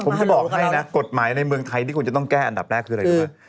ผมจะบอกให้นะกฎหมายในเมืองไทยที่ควรจะต้องแก้อันดับแรกคืออะไรรู้ไหม